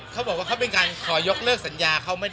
เขาบอกว่าเขาเป็นการขอยกเลิกสัญญาเขาไม่